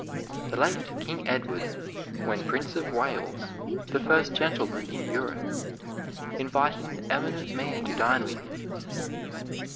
The late King Edward, when Prince of Wales, the first gentleman in Europe, invited an eminent man to dine with him.